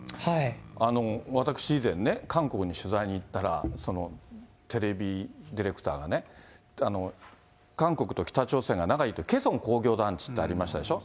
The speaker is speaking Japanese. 私以前ね、韓国に取材に行ったら、テレビディレクターがね、韓国と北朝鮮が仲いいと、ケソン工業団地ってありましたでしょ。